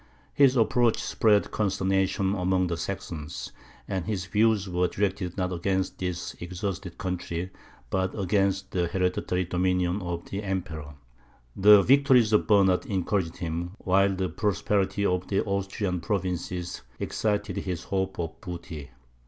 His approach spread consternation among the Saxons; but his views were directed not against this exhausted country, but against the hereditary dominions of the Emperor. The victories of Bernard encouraged him, while the prosperity of the Austrian provinces excited his hopes of booty.